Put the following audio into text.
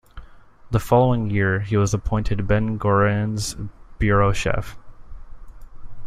The following year he was appointed Ben-Gurion's bureau chief.